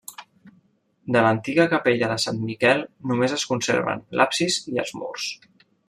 De l'antiga capella de Sant Miquel només es conserven l'absis i els murs.